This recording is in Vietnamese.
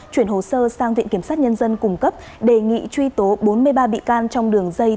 chuyển hồ sơ sang viện kiểm sát nhân dân cung cấp đề nghị truy tố bốn mươi ba bị can trong đường dây